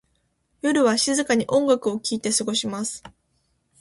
夜は静かに音楽を聴いて過ごします。